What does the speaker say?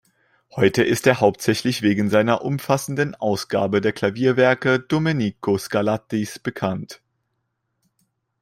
Heute ist er hauptsächlich wegen seiner umfassenden Ausgabe der Klavierwerke Domenico Scarlattis bekannt.